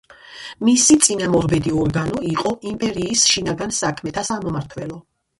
მისი წინამორბედი ორგანო იყო იმპერიის შინაგან საქმეთა სამმართველო.